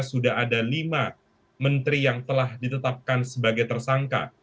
sudah ada lima menteri yang telah ditetapkan sebagai tersangka